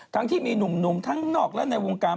ทั้งที่มีหนุ่มทั้งยอมนอกในวงการ